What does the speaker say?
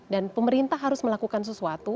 dan pemerintah harus melakukan sesuatu